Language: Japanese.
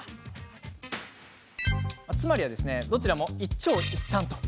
つまりは、どちらも一長一短。